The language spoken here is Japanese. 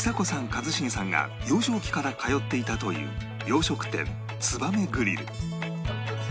一茂さんが幼少期から通っていたという洋食店つばめグリル